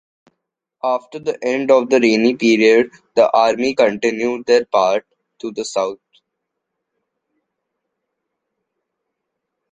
After the end of the rainy period, the army continued their path to the south.